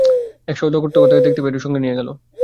এক সওদাগর তখন তাকে দেখতে পেয়ে সঙ্গে নিয়ে গেল।